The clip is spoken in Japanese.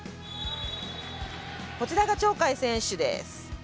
こちらが鳥海選手です。